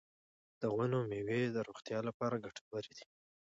د ونو میوې د روغتیا لپاره ګټورې دي.